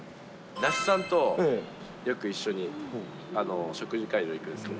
なしさんとよく一緒に食事会場行くんですけど。